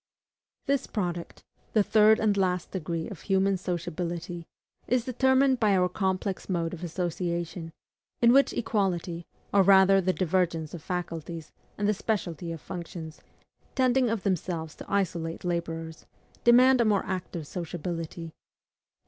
This product the third and last degree of human sociability is determined by our complex mode of association; in which inequality, or rather the divergence of faculties, and the speciality of functions tending of themselves to isolate laborers demand a more active sociability.